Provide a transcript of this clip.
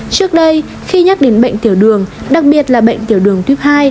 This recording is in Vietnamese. trước đây khi nhắc đến bệnh tiểu đường đặc biệt là bệnh tiểu đường tuyếp hai